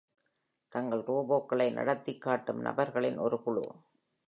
தங்கள் ரோபோக்களை நடத்திக் காட்டும் நபர்களின் ஒரு குழு